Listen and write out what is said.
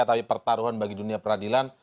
tapi pertaruhan bagi dunia peradilan